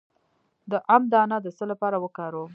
د ام دانه د څه لپاره وکاروم؟